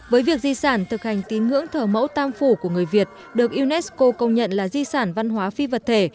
với việc di sản thực hành tín ngưỡng thờ mẫu tam phủ của người việt được unesco công nhận là di sản văn hóa phi vật thể